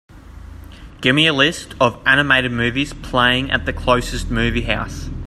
Give me the list of animated movies playing at the closest movie house